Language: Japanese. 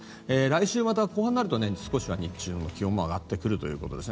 来週また後半になると少しは日中の気温も上がってくるということです。